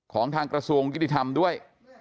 ของทางกระทรวงยุติธรรมด้วย